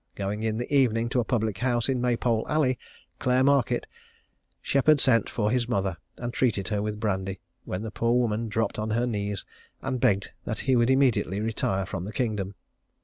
Going in the evening to a public house in Maypole Alley, Clare Market, Sheppard sent for his mother, and treated her with brandy, when the poor woman dropped on her knees, and begged that he would immediately retire from the kingdom.